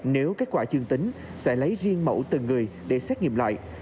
nếu kết quả dương tính sẽ lấy riêng mẫu từng người để xét nghiệm lại